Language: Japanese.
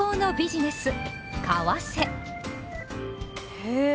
へえ。